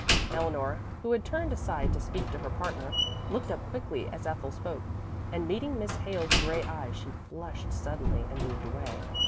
Eleanor, who had turned aside to speak to her partner, looked up quickly as Ethel spoke, and meeting Miss Hale's gray eyes she flushed suddenly and moved away.